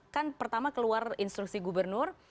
kan pertama keluar instruksi gubernur